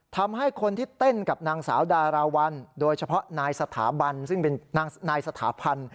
ทำให้คนที่เต้นกับนางสาวดาราวัลโดยเฉพาะนายสถาพันธ์